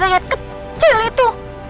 rakyat kecil itu